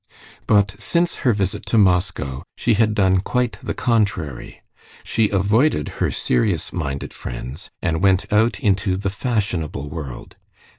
But since her visit to Moscow she had done quite the contrary. She avoided her serious minded friends, and went out into the fashionable world.